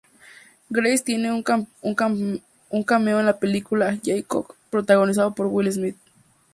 Grace tiene un cameo en la película "Hancock", protagonizada por Will Smith.